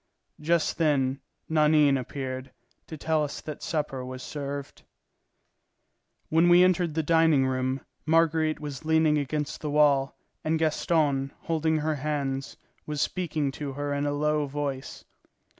Just then Nanine appeared, to tell us that supper was served. When we entered the dining room, Marguerite was leaning against the wall, and Gaston, holding her hands, was speaking to her in a low voice.